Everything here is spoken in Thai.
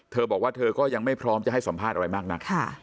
เธอบอกว่าเธอก็ยังไม่พร้อมจะให้สัมภาษณ์อะไรมากนัก